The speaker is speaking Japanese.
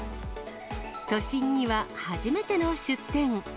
都心には初めての出店。